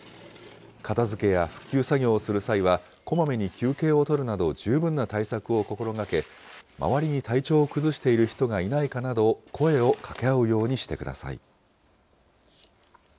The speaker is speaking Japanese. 片づけや復旧作業をする際はこまめに休憩を取るなど、十分な対策を心がけ、周りに体調を崩している人がいないかなど、声をかけ合うようにしてください。